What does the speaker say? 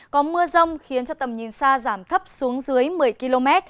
có mưa rông khiến tầm nhìn xa giảm thấp xuống dưới một mươi km